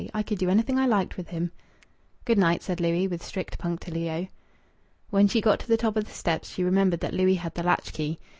I could do anything I liked with him." "Good night," said Louis, with strict punctilio. When she got to the top of the steps she remembered that Louis had the latch key.